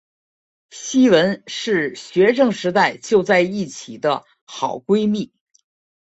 希汶是学生时代就在一起的好闺蜜。